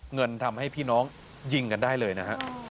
เงินทำให้พี่น้องยิงกันได้เลยนะฮะ